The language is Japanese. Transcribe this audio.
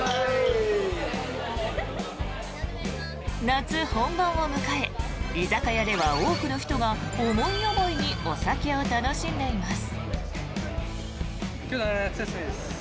夏本番を迎え居酒屋では多くの人が思い思いにお酒を楽しんでいます。